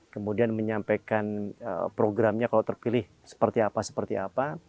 kemudian menyampaikan programnya kalau terpilih seperti apa seperti apa